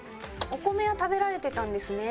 「お米食べられてたんですね」